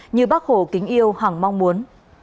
như bác hồ kính yêu hẳng mong muốn